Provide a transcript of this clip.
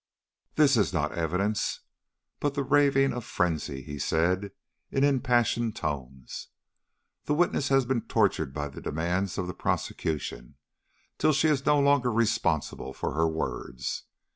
"This is not evidence, but the raving of frenzy," he said, in impassioned tones. "The witness has been tortured by the demands of the prosecution, till she is no longer responsible for her words."